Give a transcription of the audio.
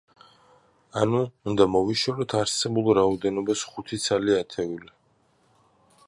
ანუ, უნდა მოვაშოროთ არსებულ რაოდენობას ხუთი ცალი ათეული.